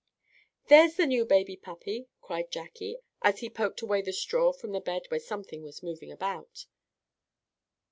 "There's the new baby puppy!" cried Jackie, as he poked away the straw from the bed where something was moving about.